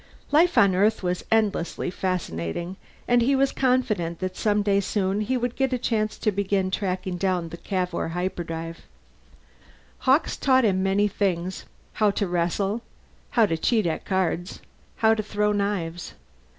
Life on Earth was endlessly fascinating; and he was confident that someday soon he would get a chance to begin tracking down the Cavour hyperdrive. Hawkes taught him many things how to wrestle, how to cheat at cards, how to throw knives.